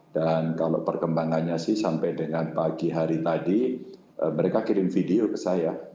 dan kalau perkembangannya sih sampai dengan pagi hari tadi mereka kirim video ke saya